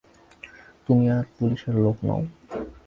তুমি আর পুলিশের লোক নও।